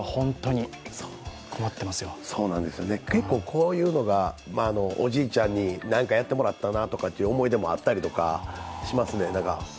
結構こういうのがおじいちゃんに何かやってもらったなという思い出もあったりとかしますね。